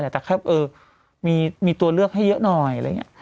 แต่แค่มีตัวเลือกให้เยอะหน่อย